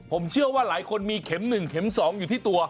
ผมเชื่อว่าหลายคนมีเข็มหนึ่งเข็มสองอยู่จะที่ตัว